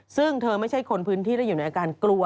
ซึ่งเธอไม่ใช่คนพื้นที่และอยู่ในอาการกลัว